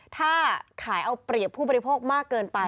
ถ้าขายเอาเปรียบผู้บริโภคมากเกินไป